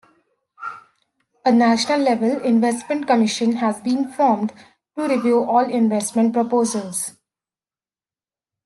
A national investment commission has been formed to review all investment proposals.